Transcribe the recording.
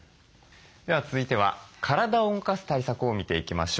では続いては体を動かす対策を見ていきましょう。